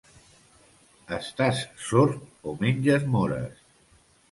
Estàs sord o menges mores?